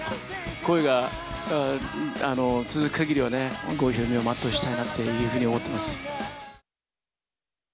声が続くかぎりはね、郷ひろみを全うしたいなというふうに思っています。